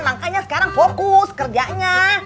makanya sekarang fokus kerjanya